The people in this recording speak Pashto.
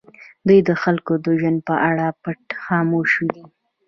دوی د خلکو د ژوند په اړه پټ خاموش دي.